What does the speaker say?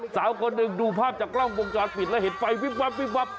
สาวคนหนึ่งดูภาพจากกล้องวงจรปิดแล้วเห็นไฟวิบวับวิบวับ